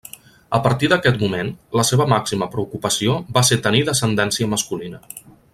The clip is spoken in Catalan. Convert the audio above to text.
A partir d'aquest moment la seva màxima preocupació va ser tenir descendència masculina.